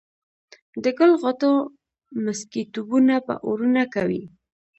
د ګل غوټو مسكيتوبونه به اورونه کوي